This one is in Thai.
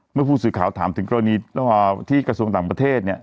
เมื่อผู้สื่อข่าวถามถึงกรณีระหว่างที่กระทรวงต่างประเทศเนี่ย